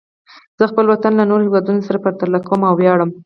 زه خپل وطن له نورو هېوادونو سره پرتله کوم او ویاړم.